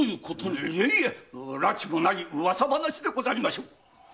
いえいえ埒もない噂話でござりましょう。